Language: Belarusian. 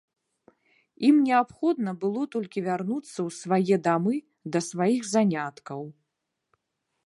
Ім неабходна было толькі вярнуцца ў свае дамы, да сваіх заняткаў.